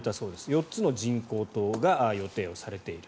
４つの人工島が予定をされている。